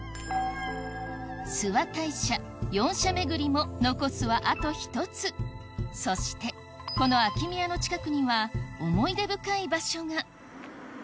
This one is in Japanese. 諏訪大社四社巡りも残すはあと１つそしてこの秋宮の近くにはあぁ！